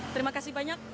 terima kasih banyak